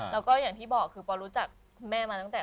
แล้วก็อย่างที่บอกคือปอรู้จักคุณแม่มาตั้งแต่